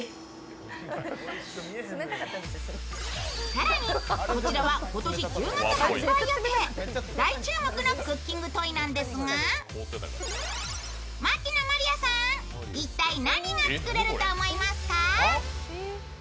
更にこちらは今年１０月発売予定、大注目のクッキングトイなんですが牧野真莉愛さん、一体何が作れると思いますか？